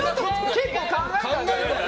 結構考えたよ！